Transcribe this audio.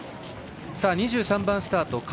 ２３番スタート